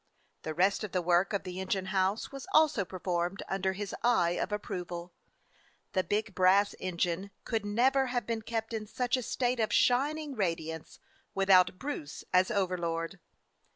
The rest of the work of the engine house was also performed under his eye of approval. The big brass engine could never have been kept in such a state of shining radiance without Bruce as overlord.